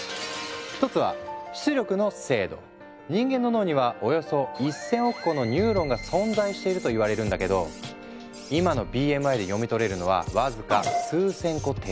一つは人間の脳にはおよそ１，０００億個のニューロンが存在しているといわれるんだけど今のＢＭＩで読み取れるのは僅か数千個程度。